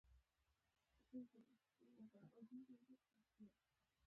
همدا باور اقتصاد ژوندی ساتي.